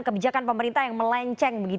kebijakan pemerintah yang melenceng